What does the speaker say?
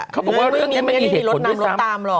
เขาบอกว่าเรื่องนี้ยังไม่มีเหตุผลที่สำ